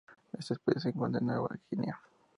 Esta especie se encuentra en Nueva Guinea.